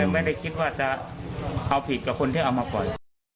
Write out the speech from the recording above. ไม่ได้คิดว่าจะเอาผิดกับคนที่เอามาปล่อย